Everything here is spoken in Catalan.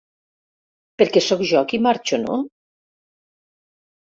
Perquè sóc jo qui marxo, no?